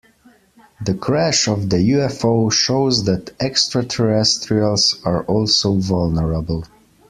The crash of the UFO shows that extraterrestrials are also vulnerable.